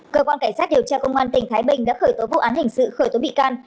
cơ quan cảnh sát điều tra công an tỉnh thái bình đã khởi tố vụ án hình sự khởi tố bị can